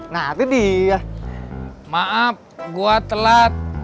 nah itu dia maaf gua telat